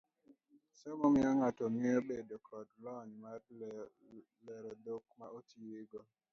somo miyo ng'ato ngeyo bedo koda lony mar lero dhok ma otigo.